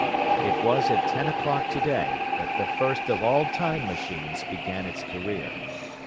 It was at ten o'clock today that the first of all Time Machines began its career.